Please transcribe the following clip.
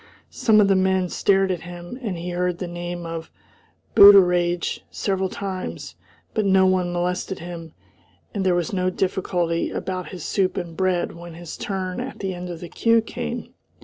Some of the men stared at him, and he heard the name of "Booteraidge" several times; but no one molested him, and there was no difficulty about his soup and bread when his turn at the end of the queue came.